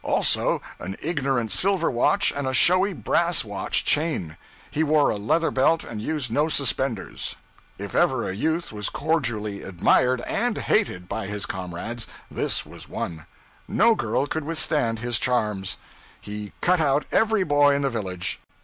Also an ignorant silver watch and a showy brass watch chain. He wore a leather belt and used no suspenders. If ever a youth was cordially admired and hated by his comrades, this one was. No girl could withstand his charms. He 'cut out' every boy in the village.